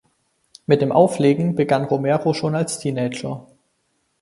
Mit dem Auflegen begann Romero schon als Teenager.